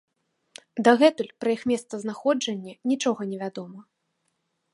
Дагэтуль пра іх месцазнаходжанне нічога не вядома.